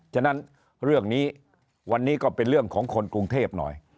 ฉะนั้นเรื่องนี้วันนี้ก็เป็นเรื่องของคนกรุงเทพหน่อย